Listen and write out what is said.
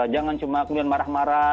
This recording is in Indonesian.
jangan cuma kemudian marah marah